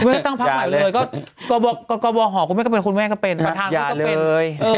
คุณแม่ก็ตั้งพักใหม่เลยก็บอกห่อคุณแม่ก็เป็นคุณแม่ก็เป็นประธานคุณแม่ก็เป็นอย่าเลย